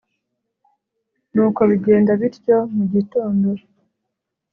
nuko bigenda bityo. mu gitondo